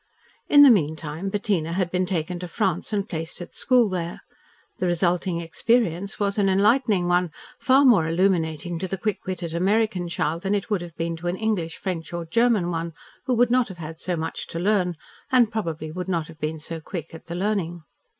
In the meantime Bettina had been taken to France and placed at school there. The resulting experience was an enlightening one, far more illuminating to the quick witted American child than it would have been to an English, French, or German one, who would not have had so much to learn, and probably would not have been so quick at the learning.